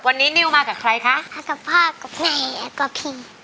วันนี้นิ้วมากับใครคะกับพ่อกับพี่และกับพี่